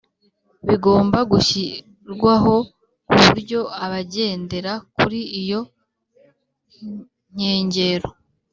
bigomba gushyirwaho ku buryo abagendera kuri iyo nkengero